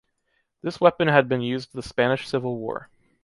This weapon had been used the Spanish Civil War.